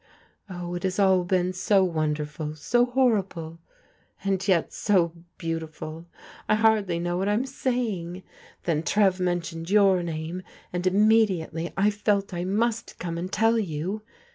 Oh, it has all been so wonderful, so hor rible, and yet so beautiful. I hardly know what I'm say ing !— ^Then Trev mentioned your name, and immediately I felt I must come and tell you.